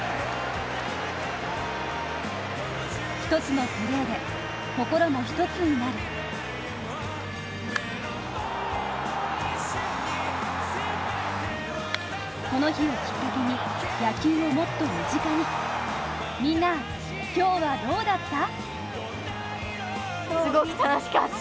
一つのプレーで心も一つになるこの日をきっかけに野球をもっと身近に、みんな今日はどうだった？